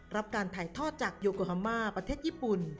รับการถ่ายทอดจากโยโกฮามาประเทศญี่ปุ่น